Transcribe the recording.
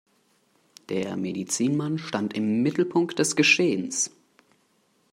Der Medizinmann stand im Mittelpunkt des Geschehens.